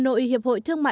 nhưng chúng ta đã